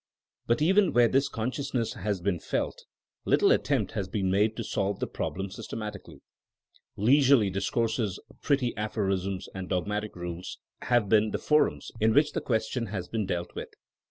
But even where this consciousness has been felt, little attempt has b^en made to solve the problem systematically. Leisurely discourses, pretty aphorisms, and dogmatic rules have been the forms in whidi the question has been dealt with.